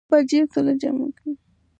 پوهه د ځوانانو د ځواک سرچینه ده.